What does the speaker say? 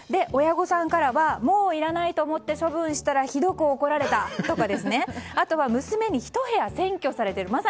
親御さんからはもういらないと思って処分したら、ひどく怒られたとかあとは娘にひと部屋占拠されている。